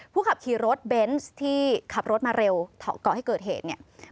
ผู้ขับขี่รถเบนส์ที่ขับรถมาเร็วเกาะให้เกิดเหตุ